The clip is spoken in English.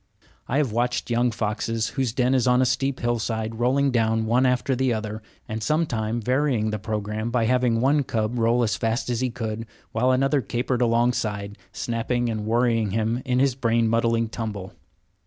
I have watched young foxes, whose den was on a steep hill side, rolling down one after the other, and sometime varying the programme by having one cub roll as fast as he could, while another capered alongside, snapping and worrying him in his brain muddling tumble.